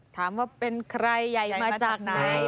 ถามว่าเป็นใครใหญ่มาจากไหน